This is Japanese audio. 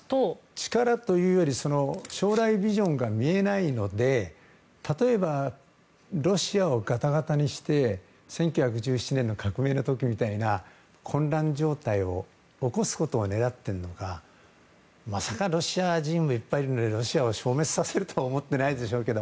力というより将来ビジョンが見えないので例えば、ロシアをガタガタにして１９１７年の革命の時みたいな混乱状態を起こすことを狙っているのかまさか、ロシア人もいっぱいいるのでロシアを消滅させるとは思っていないでしょうけど